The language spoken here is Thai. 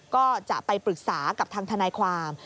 ก็จะไปปรึกษากับทางทนายความ